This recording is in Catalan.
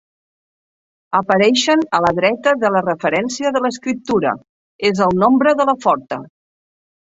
Apareixent a la dreta de la referència de l'escriptura és el nombre de la forta.